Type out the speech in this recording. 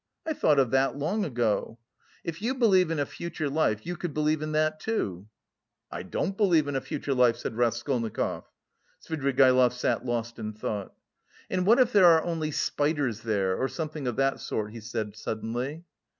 I thought of that long ago. If you believe in a future life, you could believe in that, too." "I don't believe in a future life," said Raskolnikov. Svidrigaïlov sat lost in thought. "And what if there are only spiders there, or something of that sort," he said suddenly.